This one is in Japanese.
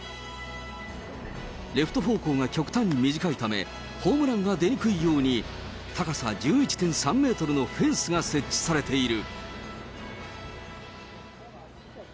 レフト方向が極端に短いため、ホームランが出にくいように、高さ１１．３メートルのフェンスが設置されている。